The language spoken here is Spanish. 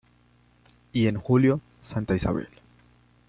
Y en julio, Santa Isabel.